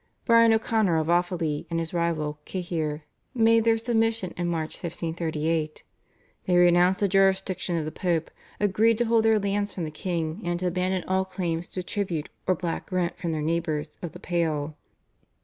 Brian O'Connor of Offaly and his rival Cahir made their submission in March 1538. They renounced the jurisdiction of the Pope, agreed to hold their lands from the king, and to abandon all claims to tribute or black rent from their neighbours of the Pale.